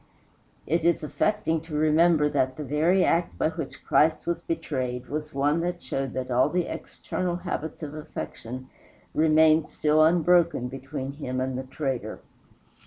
It is affecting to remember that the very act by which Christ was betrayed was one that showed that all the external habits of affection remained still unbroken between him and the traitor.